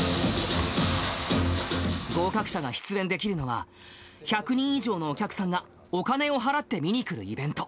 合格者が出演できるのは、１００人以上のお客さんが、お金を払って見に来るイベント。